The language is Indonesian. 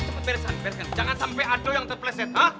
jangan sampai ada yang terpleset